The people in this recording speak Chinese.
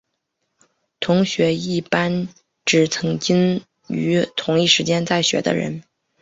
同学一般指曾经于同一时间在学的人。